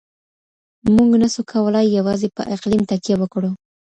موږ نسو کولای يوازې په اقليم تکيه وکړو.